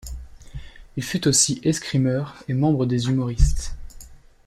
Il fut aussi escrimeur et membre des Humoristes.